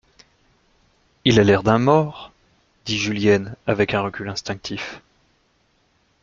Il a l'air d'un mort, dit Julienne avec un recul instinctif.